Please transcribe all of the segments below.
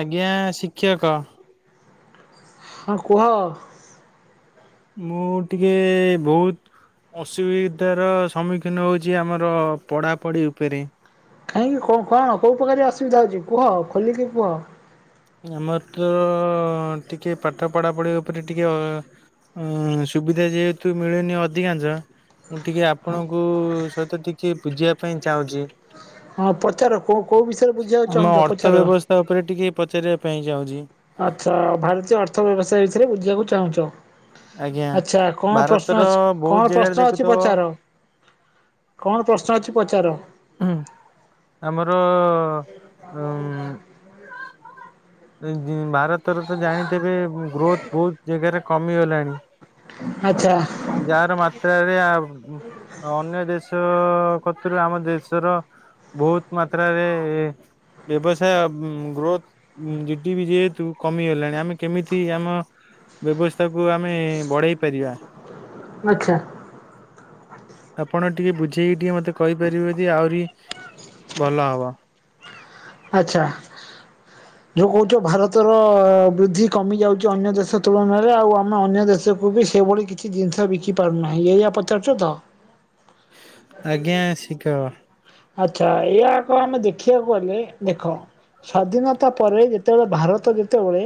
ଆଜ୍ଞା ଶିକ୍ଷକ। ହଁ କୁହ। ମୁଁ ଟିକେ ବହୁତ ଅସୁବିଧାର ସମ୍ମୁଖୀନ ହେଉଛି ଆମର ପଢ଼ାପଢ଼ି ଉପରେ। କାହିଁକି କ କଣ କୋଉ ପ୍ରକାରିଆ ଅସୁବିଧା ହଉଛି କୁହ ଖୋଲିକି କୁହ? ଆମର ତ ଟିକେ ପାଠ ପଢ଼ାପଢ଼ି ଉପରେ ଟିକିଏ ଅ ଉଁ ସୁବିଧା ଯେହେତୁ ମିଳେନି ଅଧିକାଂଶ। ମୁଁ ଟିକିଏ ଆପଣଙ୍କୁ ସହିତ ଟିକିଏ ବୁଝିବା ପାଇଁ ଚାହୁଁଛି। ହଁ ପଚାର କୋ କୋଉ ବିଷୟରେ ବୁଝିବାକୁ ଚାହୁଁଛ ପଚାର? ତା ଉପରେ ଟିକେ ପଚାରିବା ପାଇଁ ଚାହୁଛି। ଆଚ୍ଛା ଭାରତୀୟ ଅର୍ଥ ବ୍ୟବସାୟ ବିଷୟରେ ବୁଝିବାକୁ ଚାହୁଁଛ? ଆଜ୍ଞା। ଆଚ୍ଛା କଣ ଭାରତର ପ୍ରଶ୍ନ ଅଛି, ବହୁତ କଣ ଜାଗାରେ ପ୍ରଶ୍ନ ଅଛି ଦେଖୁଥିବ ପଚାର? କଣ ପ୍ରଶ୍ନ ଅଛି ପଚାର? ହୁଁ, ଆମର ଉଁ ଉଁ ଜି ଭାରତ ତର ତ ଜାଣିଥବେ ଗ୍ରୋଥ ବହୁତ ଜାଗାରେ କମିଗଲାଣି। ଆଚ୍ଛା। ଯହାର ମାତ୍ରାରେ ଆବ ଅନ୍ୟ ଦେଶ କତିରୁ ଆମ ଦେଶର ବହୁତ ମାତ୍ରାରେ ବ୍ୟବସାୟ ଉଁ ଗ୍ରୋଥ ଜିଟି ପି ଯେହେତୁ କମିଗଲାଣି ଆମେ କେମିତି ଆମ ବ୍ୟବସ୍ ସକୁ ଆମେ ବଢ଼େଇ ପାରିବା। ଆଚ୍ଛା। ଆପଣ ଟିକେ ବୁଝେଇକି ଟିକେ ମତେ କହିପାରିବେ ଯଦି ଆହୁରି ଭଲ ହବ। ଆଚ୍ଛା। ଯଉ କହୁଛ ଭାରତର ବୃଦ୍ଧି କମି ଯାଉଛି ଅନ୍ୟ ଦେଶ ତୁଳନାରେ ଆଉ ଆମେ ଅନ୍ୟ ଦେଶକୁ ବି ସେଭଳି କିଛି କିଛି ଜିନିଷ ବିକି ପାରୁନାହିଁ ଏଇଆ ପଚାରୁଛ ତ? ଆଜ୍ଞା ଶିଖ। ଆଚ୍ଛା ଏଇୟା କଣ ଆମେ ଦେଖିବାକୁ ଗଲେ। ଦେଖ ସ୍ଵାଧୀନତା ପରେ ଯେତେବେଳେ ଭାରତ ଯେତେବେଳେ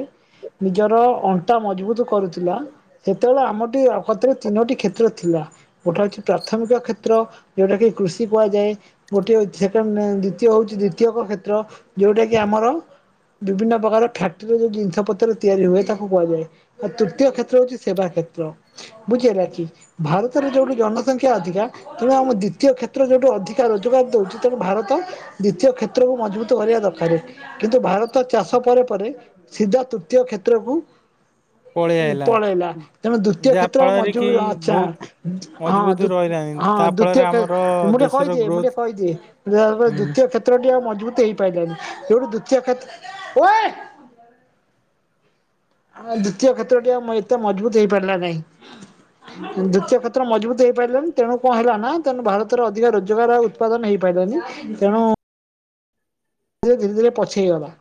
ନିଜର ଅଣ୍ଟା ମଜବୁତ କରୁଥିଲା। ସେତେବେଳେ ଆମର ଟେ [unintelligible] ତିନୋଟି କ୍ଷେତ୍ର ଥିଲା। ଗୋଟା ହଉଛି ପ୍ରାଥମିକ କ୍ଷେତ୍ର ଯୋଉଟା କି କୃଷି କୁହାଯାଏ। ଗୋଟିଏ ସେକଣ୍ଡ ଦ୍ଵିତୀୟ ହଉଛି ଦ୍ଵିତୀୟକ କ୍ଷେତ୍ର ଯୋଉଟା କି ଆମର ବିଭିନ୍ନ ପ୍ରକାର ଫ୍ୟାକ୍ଟ୍ରିରେ ଯଉ ଜିନିଷପତ୍ର ତିଆରି ହୁଏ ତାକୁ କୁହାଯାଏ। ଆଉ ତୃତୀୟ କ୍ଷେତ୍ର ହଉଛି ସେବା କ୍ଷେତ୍ର। ବୁଝିହେଲାକି, ଭାରତରେ ଯୋଉଠି ଜନସଂଖ୍ୟା ଅଧିକା। ତେଣୁ ଆମ ଦ୍ୱିତୀୟ କ୍ଷେତ୍ର ଯୋଉଠୁ ଅଧିକା ରୋଜଗାର ଦେଉଛି ତେଣୁ ଭାରତ ଦ୍ୱିତୀୟ କ୍ଷେତ୍ରକୁ ମଜବୁତ କରିବା ଦରକାର। କିନ୍ତୁ ଭାରତ ଚାଷ ପରେ ପରେ ସିଧା ତୃତୀୟ କ୍ଷେତ୍ରକୁ ପଳେଇ ଆଇଲା। ପଳେଇଲା। ତେଣୁ ଦ୍ଵିତୀୟ ଯାହା କ୍ଷେତ୍ର ଫଳରେ କି ମଜୁବୁ ଆଛା ବହୁତ ହଁ ମଜବୁତ ରହିଲାନି ହଁ ତା ଫଳରେ ଦ୍ଵିତୀୟ ଖେ ଆମର ମୁଁ ଟିକେ ଦେଶର କହିଦିଏ ମୁଁ ଗ୍ରୋଥ ଟିକେ କହିଦିଏ ଦ୍ଵିତୀୟ ହୁଁ କ୍ଷେତ୍ କ୍ଷେତ୍ରଟି ଆଉ ମଜବୁତ ହେଇପାରିଲାନି ଯେଉଠୁ ଦ୍ୱିତୀୟ କ୍ଷେତ୍ର ଓୟେ। ଆଁ ଦ୍ଵିତୀୟ କ୍ଷେତ୍ର ଟି ଏତେ ମଜବୁତ ହେଇ ପାରିଲା ନାହିଁ। ଦ୍ଵିତୀୟ କ୍ଷେତ୍ର ମଜବୁତ ହେଇ ପାରିଲାନି ତେଣୁ କଣ ହେଲା ନା ତେଣୁ ଭାରତରେ ଅଧିକ ରୋଜଗାର ଉତ୍ପାଦନ ହେଇପାରିଲାନି। ତେଣୁ ଧୀରେ ଧୀରେ ପଛେଇଗଲା।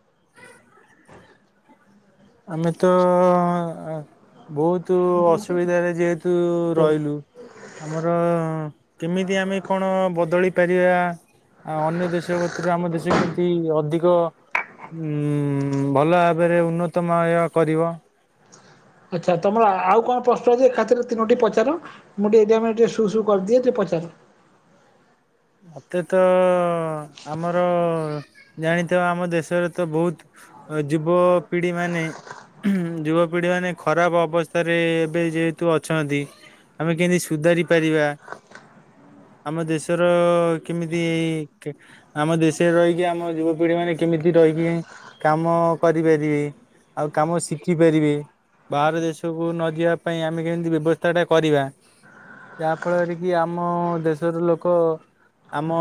ଆମେତ ଅ ଆଁ ବହୁତ ଅସୁବିଧାରେ ଯେହେତୁ ରହିଲୁ। ଆମର କେମିତି ଆମେ କଣ ବଦଳେଇ ପାରିବା? ଆ ଅନ୍ୟ ଦେଶ ଭିତରେ ଆମ ଦେଶ କେମତି ଅଧିକ। ଉଁ ଭଲ ଭାବରେ ଉନ୍ନତମୟ କରିବ। ଆଚ୍ଛା ତମର ଆଉ କଣ ପ୍ରଶ୍ନ ଅଛି ଏକାଥରେ ତିନୋଟି ପଚାର? ମୁଁ ଟିକେ ଏଇ ଟାଇମ୍ ରେ ଟିକେ ସୁ ସୁ କରିଦିଏ ଟିଏ ପଚାରେ। ମତେ ତ ଆମର ଜାଣିଥିବ ଆମ ଦେଶରେ ତ ବୋହୁତ୍ ଯୁବ ପିଢି ମାନେ ଯୁବପିଢି ମାନେ ଖରାପ ଅବସ୍ଥାରେ ଏବେ ଯେହେତୁ ଅଛନ୍ତି। ଆମେ କେମିତି ସୁଧାରି ପାରିବା। ଆମ ଦେଶ ତ କେମିତି ଆମ ଦେଶରେ ରହିକି ଆମ ଯୁବପିଢି ମାନେ କେମିତି ରହିକି କାମ କରିପାରିବେ ଆଉ କାମ ଶିଖିପାରିବେ। ବାହାର ଦେଶକୁ ନ ଯିବା ପାଇଁ ଆମେ କେମିତି ବ୍ୟବସ୍ଥାଟା କରିବା। ଯାହା ଫଳରେ କି ଆମ ଦେଶର ଲୋକ ଆମ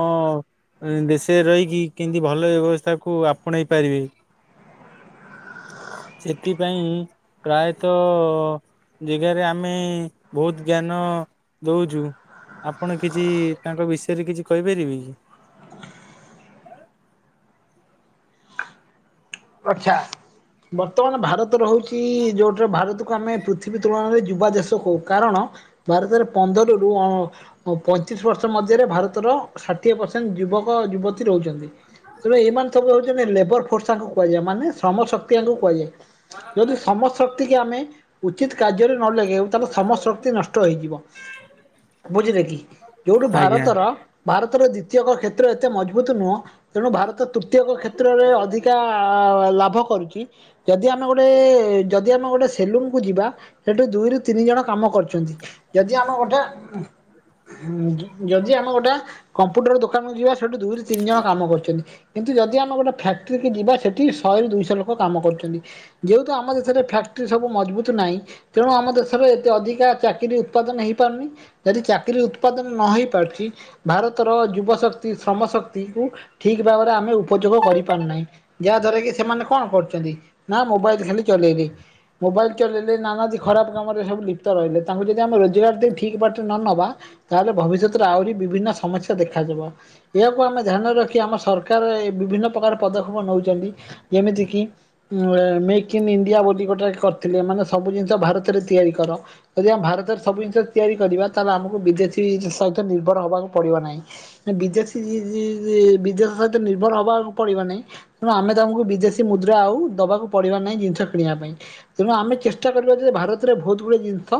ଦେସେରେ ରହିକି କେମିତି ଭଲ ବ୍ୟବସ୍ଥାକୁ ଆପଣେଇ ପାରିବେ। [inaudible] ସେଥିପାଇଁ ପ୍ରାୟତଃ ଯେଗାରେ ଆମେ ବୋହୁତ୍ ଜ୍ଞାନ ଦଉଛୁ। ଆପଣ କିଛି ତାଙ୍କ ବିଷୟରେ କିଛି କହିପାରିବେ କି? ଅର୍ଥାତ୍ ବର୍ତ୍ତମାନ ଭାରତ‌ ତ ରହୁଛି ଯୋଉଟିର ଭାରତକୁ ଆମେ ପୃଥିବୀ ତୁଳନାରେ ଯୁବା ଦେଶ କହୁ। କାରଣ ଭାରତରେ ପନ୍ଦରରୁୁ ଅ ପଇଁତିରିଶି ବର୍ଷ ମଧ୍ୟରେ ଭାରତର ଷାଠିଏ ପରସେଣ୍ଟ୍ ଯୁବକ ଯୁବତୀ ରହୁଛନ୍ତି। ତେଣୁ ଏମାନେ ସବୁ ହେଉଛନ୍ତି ଲେବର୍ ଫୋର୍ସାଙ୍କ କୁହାଯାଏ। ମାନେ ଶ୍ରମ ଶକ୍ତି ଆଙ୍କୁ କୁହାଯାଏ। ଯଦି ଶ୍ରମ ଶକ୍ତି କି ଆମେ ଉଚିତ୍ କାର୍ଯ୍ୟରେ ନ ଲଗେଉ ତାଙ୍କ ସମ ଶକ୍ତି ନଷ୍ଟ ହେଇଯିବ। ବୁଝିଲେ କି, ଯୋଉଠୁ ଆଜ୍ଞା। ଭାରତର ଭାରତର ଦ୍ୱିତୀୟକ କ୍ଷେତ୍ର ଏତେ ମଜବୁତ୍ ନୁହଁ, ତେଣୁ ଭାରତ ତୃତୀୟକ କ୍ଷେତ୍ରରେ ଅଧିକା ଆ ଲାଭ କରୁଛି। ଯଦି ଆମେ ଗୋଟେ ଯଦି ଆମେ ଗୋଟେ ସେଲୁନ୍ କୁୁ ଯିବା ସେଠୁ ଦୁଇରୁ ତିନି ଜଣ କାମ କରୁଛନ୍ତି। ଯଦି ଆମେ ଗୋଟା ଉଁ ଯଦି ଆମେ ଗୋଟା କମ୍ପ୍ୟୁଟର୍ ଦୋକାନ କୁ ଯିବା ସେଠୁ ଦୁଇରୁ ତିନି ଜଣ କାମ କରୁଛନ୍ତି। କିନ୍ତୁ ଯଦି ଆମ ଗୋଟେ ଫ୍ୟାକ୍ଟ୍ରି କି ଯିବା ସେଠି ଶହେରୁ ଦୁଇଶହ ଲୋକ କାମ କରୁଛନ୍ତି। ଯେହେତୁ ଆମ ଦେଶରେ ଫ୍ୟାକ୍ଟ୍ରି ସବୁ ମଜବୁତ୍ ନାହିଁ ତେଣୁ ଆମ ଦେଶରେ ଏତେ ଅଧିକା ଚାକିରି ଉତ୍ପାଦନ ହେଇପାରୁନି ଯଦି ଚାକିରି ଉତ୍ପାଦନ ନ ହେଇପାରୁଛି ଭାରତର ଯୁବଶକ୍ତି, ଶ୍ରମଶକ୍ତି କୁ, ଠିକ୍ ଭାବରେ ଆମେ ଉପଯୋଗ କରିପାରୁନାହିଁ। ଯାହା ଦ୍ଵାରା କି ସେମାନେ କଣ କରୁଛନ୍ତି, ନା ମୋବାଇଲ୍ ଖାଲି ଚଲେଇବେ। ମୋବାଇଲ୍ ଚଲେଇଲେ ନାନାଦି ଖରାପ କାମରେ ସବୁ ଲିପ୍ତ ରହିଲେ, ତାଙ୍କୁ ଯଦି ଆମେ ରୋଜଗାର ଦେଇ ଠିକ୍ ବାଟରେ ନ ନବା ତାହେଲେ ଭବିଷ୍ୟତରେ ଆହୁରି ବିଭିନ୍ନ ସମସ୍ୟା ଦେଖା ଯିବ। ଏହାକୁ ଆମେ ଧ୍ୟାନ ରଖି ଆମ ସରକାରେ ବିଭିନ୍ନ ପ୍ରକାର ପଦକ୍ଷେପ ନଉ ଛନ୍ତି ଯେମିତି କିି ଉଁ ମେକ୍ ଇନ୍ ଇଣ୍ଡିଆ ବୋଲି ଗୋଟାଏ କରିଥିଲେ। ମାନେ ସବୁ ଜିନିଷ ଭାରତରେ ତିଆରି କର। ଯଦି ଆମେ ଭାରତରେ ସବୁ ଜିନିଷ ତିଆରି କରିବା ତାହେଲେ ଆମକୁ ବିଦେଶୀ ସହିତ ନିର୍ଭର ହବାକୁ ପଡିବ ନାଇ। ନା ବିଦେଶୀ ଜି ଜି ବିଦେଶ ସହିତ ନିର୍ଭର ହେବାକୁ ପଡ଼ିବ ନାଇ। ତେଣୁ ଆମେ ତାଙ୍କୁ ବିଦେଶୀ ମୁଦ୍ରା ଆଉ ଦବାକୁ ପଡ଼ିବ ନାଇ ଜିନିଷ କିଣିବା ପାଇଁ। ତେଣୁ ଆମେ ଚେଷ୍ଟା କରିବା ଯେ ଭାରତରେ ବୋହୁତ୍ ଗୁଡେ ଜିନିଷ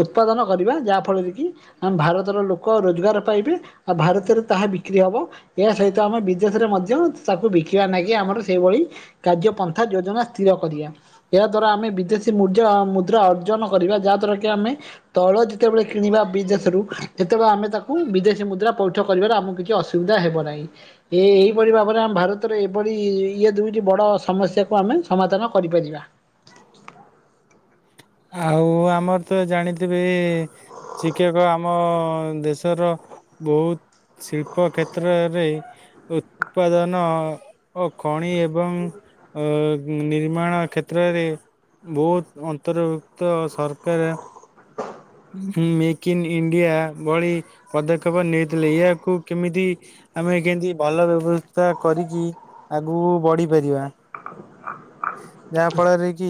ଉତ୍ପାଦନ କରିବା ଯାହା ଫଳରେ କି ଆମ ଭାରତର ଲୋକ ରୋଜଗାର ପାଇବେ ଆଉ ଭାରତରେ ତାହା ବିକ୍ରି ହବ। ଏହା ସହିତ ଆମେ ବିଦେଶରେ ମଧ୍ୟ ତାକୁ ବିକିବା ନାଗୀ କି ଆମର ସେଇଭଳି କାର୍ଯ୍ୟ ପନ୍ଥା ଯୋଜନା ସ୍ଥିର କରିବା ଏହା ଦ୍ଵାରା ଆମେ ବିଦେଶୀ ମୁ ଜ ମୁଦ୍ରା ଅର୍ଜନ କରିବା ଯାହାଦ୍ୱାରା କି ଆମେ ତୈଳ ଯେତେବେଳେ କିଣିବା ବିଦେଶରୁ ସେତେବେଳେ ଆମେ ତାକୁ ବିଦେଶୀ ମୁଦ୍ରା ପଇଠ କରିବରେ ଆମକୁ କିଛି ଅସୁ ନିନ୍ଦା ହେବ ନାଇ। ଏ ଏହିପରି ଭାବରେ ଆମ ଭାରତରେ ଏଭଳି ଇଏ ଦୁଇଟି ବଡ଼ ସମସ୍ୟାକୁ ଆମେ ସମାଧାନ କରିପାରିବା। ଆଉ ଆମର ତ ଜାଣିଥିବେ ଏ ଏ ଶିକ୍ଷକ ଆମ ଦେଶର ବହୁତ ଶିଳ୍ପ କ୍ଷେତ୍ରରେ ଉତ୍ପାଦନ ଓ ଖଣି ଏବଂ ଅ ନିର୍ମାଣ କ୍ଷେତ୍ରରେ ବହୁତ ଅନ୍ ଅନ୍ତର୍ଭୁକ୍ତ ସରକାରେ। [inaudible] ହୁଁ ମେକ୍ ଇନ୍ ଇଣ୍ଡିଆ ଭଳି ପଦକ୍ଷେପ ନେଇଥିଲେ ଏହାକୁ କେମିତି ଆମେ କେମିତି ଭଲ ବ୍ୟବସ୍ଥା କରିକି ଆଗକୁ ବଢିପାରିବା। ଯାହାଫଳରେ କି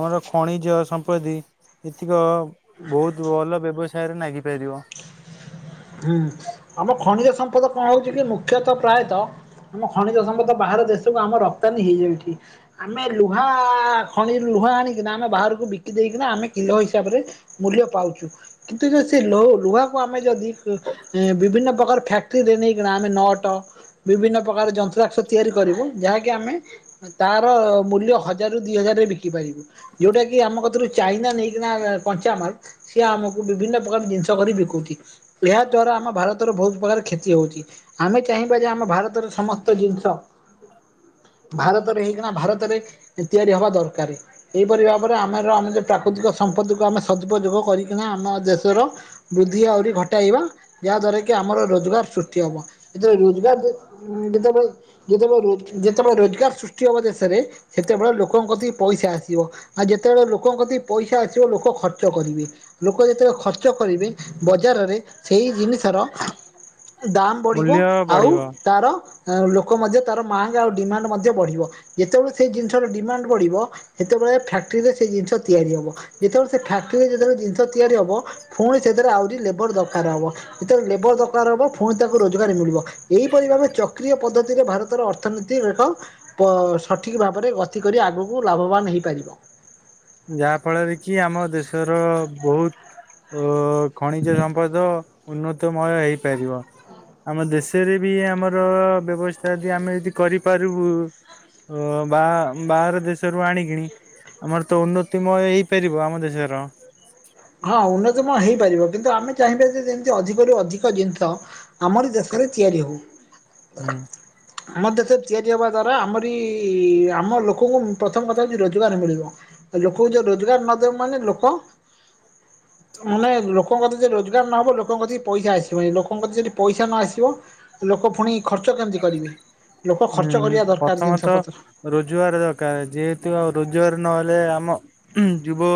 ଆମର ଖଣିଜ ସମ୍ପଦି ଏତିକ ବହୁତୁ ଭଲ ବ୍ୟବସାୟରେ ନାଗି ପାରିବ। ହୁଁ ଆମ ଖଣିଜ ସମ୍ପଦ କଣ ହଉଛି କି ମୁଖ୍ୟତ ପ୍ରାୟତ ଆମ ଖଣିଜ ସମ୍ପଦ ବାହାର ଦେଶକୁ ଆମ ରପ୍ତାନୀ ହେଇଯାଉଚି। ଆମେ ଲୁହା ଖଣି ଲୁହା ଆଣିକିନା ଆମେ ବାହାରକୁ ବିକି ଦେଇକିନା ଆମେ କିଲୋ ହିସାବରେ ମୂଲ୍ୟ ପାଉଛୁ କିନ୍ତୁ ଯଦି ସେ ଲୋ ଲୁହାକୁ ଆମେ ଯଦି ଉ ବିଭିନ୍ନ ପ୍ରକାର ଫ୍ୟାକ୍ଟରୀରେ ନେଇ ଆମେ ନଅଟ ବିଭିନ୍ନ ପ୍ରକାର ଯନ୍ତ୍ରାକ୍ଷ ତିଆରି କରିବୁ ଯାହାକି ଆମେ ତାର ମୂଲ୍ୟ ହଜାରରୁ ଦି ହଜାରରେ ବିକି ପାରିବୁ। ଯୋଉଟା କି ଆମ କତିରୁ ଚାଇନା ନେଇକିନା କଞ୍ଚାମାଲ ସିଏ ଆମକୁ ବିଭିନ୍ନ ପ୍ରକାର ଜିନିଷ କରି ବିକୁଚି। ଏହା ଦ୍ଵାରା ଆମ ଭାରତର ବହୁତ ପ୍ରକାର କ୍ଷତି ହଉଚି। ଆମେ ଚାହିଁବା ଯେ ଆମ ଭାରତରେ ସମସ୍ତ ଜିନିଷ ଭାରତରେ ହେଇକିନା ଭାରତରେ ତିଆରି ହବା ଦରକାରେ। ଏହିପରି ଭାବରେ ଆମର ଆମେ ଯଉ ପ୍ରାକୃତିକ ସମ୍ପତିକୁ ଆମେ ସଦୁପଯୋଗ କରିକିନା ଆମ ଦେଶର ବୃଦ୍ଧି ଆହୁରି ଘଟ ଟାଇବା ଯାହା ଦ୍ଵାରା କି ଆମର ରୋଜଗାର ସୃଷ୍ଟି ହବ ଯେତଳେ ରୋଜଗାର ଯେତେବେଳେ ଯେତେବେଳେ ରୋଜ ଯେତେବେଳେ ରୋଜଗାର ସୃଷ୍ଟି ହବ ଦେଶରେ ସେତେବେଳେ ଲୋକଙ୍କ କତିକୁ ପଇସା ଆସିବ। ଆଉ ଯେତେବେଳେ ଲୋକଙ୍କ କତିକୁ ପଇସା ଆସିବ ଲୋକ ଖର୍ଚ୍ଚ କରିବେ। ଲୋକ ଯେତେବେଳେ ଖର୍ଚ୍ଚ କରିବେ ବଜାରରେ ସେଇ ଜିନିଷର ଦାମ ବଢିବ ମୂଲ୍ୟ ଆଉ ବଢିବ ତାର ଉଁ ଲୋକ ମଧ୍ୟ ତାର ମାଙ୍ଗ୍ ଆଉ ଡିମାଣ୍ଡ ମଧ୍ୟ ବଢ଼ିବ ଯେତେବେଳେ ସେଇ ଜିନିଷର ଡିମାଣ୍ଡ ବଢ଼ିବ। ସେତେବେଳେ ଫ୍ୟାକ୍ଟ୍ରିରେ ସେଇ ଜିନିଷ ତିଆରି ହବ ଯେତେବେଳେ ସେ ଫ୍ୟାକ୍ଟିରେ ଯେତେବେଳେ ଜିନିଷ ତିଆରି ହବ। ଫୁଣି ସେଥିରେ ଆଉରି ଲେବର ଦରକାର ହବ ଯେତେବେଳେ ଲେବର ଦରକାର ହବ ଫୁଣି ତାକୁ ରୋଜଗାର ମିଳିବ ଏହିପରି ଭାବେ ଚକ୍ରୀୟ ପଦ୍ଧତିରେ ଭାରତର ଅର୍ ଅର୍ଥନୀତି ରେଖ ପ ସଠିକ ଭାବରେ ଗତି କରି ଆଗକୁ ଲାଭବାନ ହେଇପାରିବ। ଯାହା ଫଳରେ କି ଆମ ଦେଶର ବହୁତ ଅ ଖଣିଜ ସମ୍ପଦ ଉନ୍ନତମୟ ହେଇପାରିବ। ଆମ ଦେଶରେ ବି ଆମର ବ୍ୟବସ୍ଥା ଯଦି ଆମେ ଯଦି କରିପାରିବୁ। ଅ ବା ବାହାର ଦେଶରୁ ଆଣିକିଣି ଆମର ତ ଉନ୍ନତିମୟ ହେଇପାରିବ ଆମ ଦେଶର। ହଁ ଉନ୍ନତମୟ ହେଇପାରିବ କିନ୍ତୁ ଆମେ ଚାହିଁବା ଯେ ଯେମିତି ଅଧିକରୁ ଅଧିକ ଜିନିଷ ଆମରି ଦେଶରେ ତିଆରି ହଉ। ହୁଁ। ଆମ ଦେଶରେ ତିଆରି ହବା ଦ୍ଵାରା ଆମରି ଆମ ଲୋକଙ୍କୁ ପ୍ରଥମ କଥା ହଉଛି ରୋଜଗାର ମିଳିବ। ଆଉ ଲୋକଙ୍କୁ ଯୋଉ ରୋଜଗାର ନ ଦେବୁ ମାନେ ଲୋକ ନହେଲେ ଲୋକଙ୍କ କତି ଯଦି ରୋଜଗାର ନହବ ଲୋକଙ୍କ କତି ପଇସା ଆସିବନାହିଁ ଲୋକଙ୍କ କତି ଯଦି ପଇସା ନ ଆସିବ ଲୋକ ପୁଣି ଖର୍ଚ୍ଚ କେମିତି କରିବେ ଲୋକ ଖର୍ଚ୍ଚ ହୁଁ କରିବା ଦରକାର ଜିନିଷ ପ୍ରଥମତଃ ପତ୍ର। ରୋଜଗାର ଦରକାର ଯେହେତୁ ଆଉ ରୋଜଗାର ନହେଲେ ଆମ ଉଁ ଯୁବ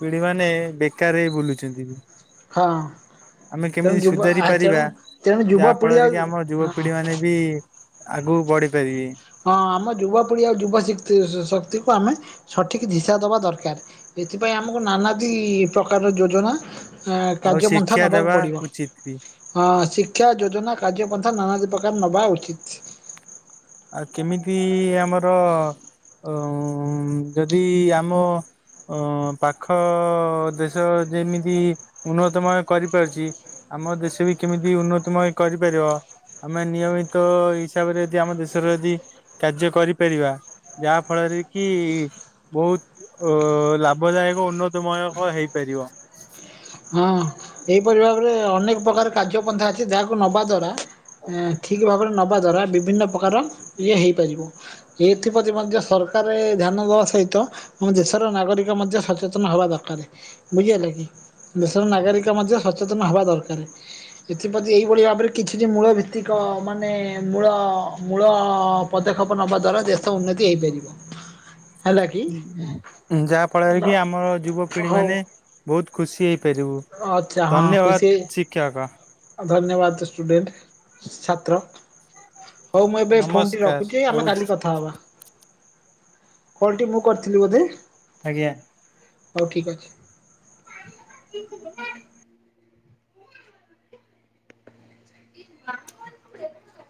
ପିଢି ମାନେ ବେକାରରେ ବୁଲୁଛନ୍ତି। ହଁ। ଆମେ ତେଣୁ କେମିତି ଯୁବ ସୁଧାରି ପାରିବା ଆଚରଣ ତେଣୁ ଯାହା ଯୁବପିଢି ଫଳରେ କି ଆଉ ଆମ ହଁ ଯୁବପିଢି ମାନେ ବି ଆଗକୁ ବଢିପାରିବେ। ହଁ ଆମ ଯୁବପିଢ଼ି ଆଉ ଯୁବ ଶି ଶ-ଶକ୍ତିକୁ ଆମେ ସଠିକ୍ ଧିଶା ଦବା ଦରକାର। ଏଥିପାଇଁ ଆମକୁ ନାନାଦି ପ୍ରକାରର ଯୋଜନା ଆ ଆଉ କାର୍ଯ୍ୟପନ୍ଥା ଶିକ୍ଷା ନବାକୁ ଦେବା ପଡ଼ିବ। ଉଚିତ ବି। ହଁ ଶିକ୍ଷା ଯୋଜନା କାର୍ଯ୍ୟପନ୍ଥା ନାନାଦି ପ୍ରକାର ନବା ଉଚିତ୍। ଆଉ କେମିତି ଆମର ଅ ଯଦି ଆମ ଅ ପାଖ ଦେଶ ଯେମିତି ଉନ୍ନତମୟ କରିପାରୁଚି ଆମ ଦେଶ ବି କେମିତି ଉନ୍ନତମୟ କରିପାରିବ ଆମେ ନିୟମିତ ହିସାବରେ ଯଦି ଆମ ଦେଶ ଶର ଯଦି କାର୍ଯ୍ୟ କରିପାରିବା ଯାହାଫଳରେ କି ବୋହୁତ ଅ ଲାଭଦାୟକ ଉନ୍ନତମୟକ ହେଇପାରିବ। ହଁ ଏଇପରି ଭାବରେ ଅନେକ ପ୍ରକାର କାର୍ଯ୍ୟ ପନ୍ଥା ଅଛି ଯାହାକୁ ନବା ଦ୍ଵାରା ଏଁ ଠିକ୍ ଭାବରେ ନବାଦ୍ୱାରା ବିଭିନ୍ନ ପ୍ରକାର ଇଏ ହେଇପାରିବ। ଏଇଥିପ୍ରତି ମଧ୍ୟ ସରକାରେ ଧ୍ୟାନ ଦବା ସହିତ ଆମ ଦେଶର ନାଗରିକ ମଧ୍ୟ ସଚେତନ ହବା ଦରକାରେ ବୁଝିହେଲା କି? ଦେଶର ନାଗରିକ ମଧ୍ୟ ସଚେତନ ହବା ଦରକାରେ। ଏଥିପ୍ରତି ଏଇଭଳି ଭାବରେ କିଛି ଯେ ମୂଳ ଭିତ୍ତିକ ମାନେ ମୂଳ ମୂଳ ପଦକ୍ଷେପ ନବା ଦ୍ଵାରା ଦେଶ ଉନ୍ନତି ହେଇପାରିବ। ହେଲା କି? ହୁଁ ଯାହା ଫଳରେ କି ଆମର ଯୁବପିଢି ହଉ ମାନେ ବୋହୁତ ଖୁସି ହେଇପାରିବୁ ଆଚ୍ଛା ଧନ୍ୟବାଦ ଶିକ୍ଷକ। ଅ ଧନ୍ୟବାଦ ଷ୍ଟୁଡେଣ୍ଟ ଛାତ୍ର। ହୋଉ ମୁଁ ଏବେ ଫୋନଟି ନମସ୍କାର ରଖୁଚି ଏଇ ଆମେ ରହୁଛି। କାଲି କଥାହବା। କଲଟି ମୁଁ କରିଥିଲି ବୋଧେ? ଆଜ୍ଞା। ହୋଉ ଠିକ୍ ଅଛି। [inaudible] [inaudible]